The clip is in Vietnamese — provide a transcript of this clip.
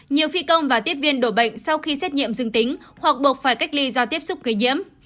nhiều phi công và tiếp viên đổ bệnh sau khi xét nghiệm dương tính hoặc buộc phải cách ly do tiếp xúc gây nhiễm